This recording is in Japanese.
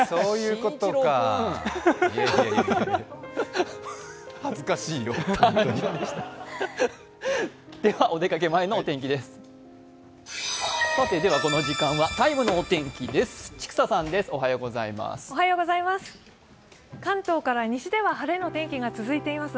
この時間は「ＴＩＭＥ’」のお天気です。